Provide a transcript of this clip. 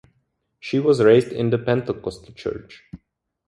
She was raised in the Pentecostal Church.